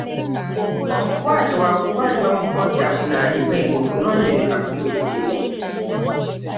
Omukwate waakutwalibwa mu kkooti avunaanibwe ng'okunoonyereza kuwedde